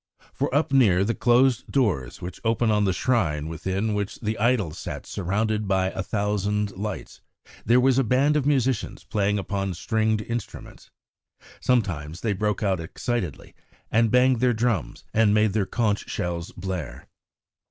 For up near the closed doors which open on the shrine within which the idol sat surrounded by a thousand lights, there was a band of musicians playing upon stringed instruments; sometimes they broke out excitedly and banged their drums and made their conch shells blare.